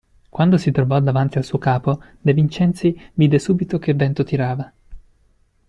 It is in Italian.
Quando si trovò davanti al suo Capo, De Vincenzi vide subito che vento tirava.